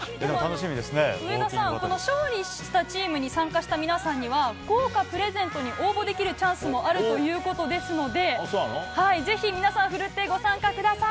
上田さん、勝利したチームに参加した皆さんには豪華プレゼントに応募できるチャンスもあるということですのでぜひ皆さんふるってご参加ください。